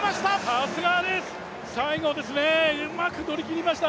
さすがです、最後、うまく乗り切りました。